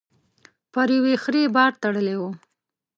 پر يوې خرې بار تړلی و.